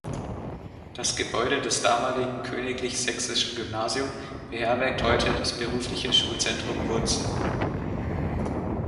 Das Gebäude des damaligen Königlich Sächsischen Gymnasium beherbergt heute das berufliche Schulzentrum Wurzen.